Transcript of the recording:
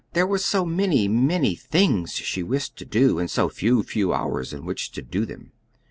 There were so many, many things she wished to do, and so few, few hours in which to do them.